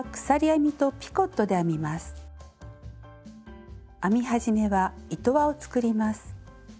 編み始めは糸輪を作ります。